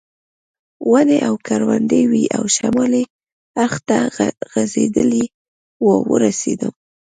ونې او کروندې وې او شمالي اړخ ته غځېدلې وه ورسېدم.